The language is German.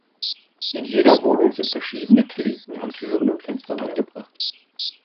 In jeder Wohnung sind verschiedene Klinken an Türen und Fenstern angebracht.